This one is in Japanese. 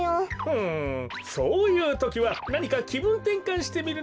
ふむそういうときはなにかきぶんてんかんしてみるのもいいダロ。